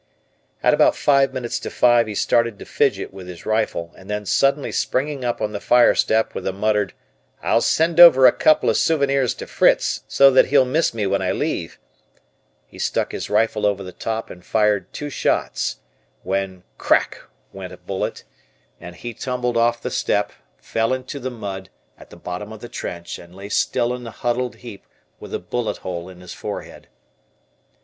At about five minutes to five he started to fidget with his rifle, and then suddenly springing up on the fire step with a muttered, "I'll send over a couple of souvenirs to Fritz, so that he'll miss me when I leave," he stuck his rifle over the top and fired two shots, when "crack" went a bullet and he tumbled off the step, fell into the mud at the bottom of the trench, and lay still in a huddled heap with a bullet hole in his forehead.